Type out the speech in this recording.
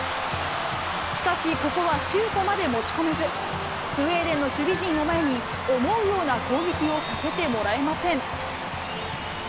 しかし、ここはシュートまで持ち込めず、スウェーデンの守備陣を前に、思うような攻撃をさせてもらえません。